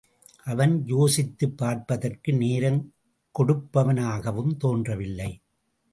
அவன் யோசித்துப் பார்ப்பதற்கு நேரம் கொடுப்பவனாகவும் தோன்றவில்லை.